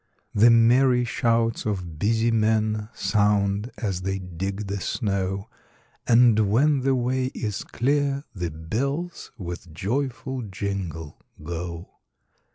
The merry shouts of busy men Sound, as they dig the snow; And, when the way is clear, the bells With joyful jingle, go.